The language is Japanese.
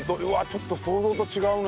ちょっと想像と違うね。